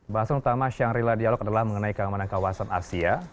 bahasan utama shangrila dialog adalah mengenai keamanan kawasan asia